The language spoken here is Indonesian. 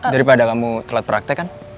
daripada kamu telat praktek kan